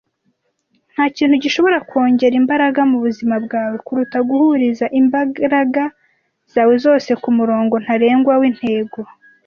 Ntakintu gishobora kongera imbaraga mubuzima bwawe kuruta guhuriza imbaraga zawe zose kumurongo ntarengwa wintego.